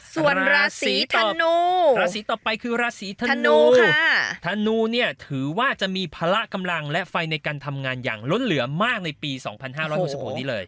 ส่วนราศีธนูราศีต่อไปคือราศีธนูค่ะธนูเนี่ยถือว่าจะมีพละกำลังและไฟในการทำงานอย่างล้นเหลือมากในปี๒๕๖๖นี้เลย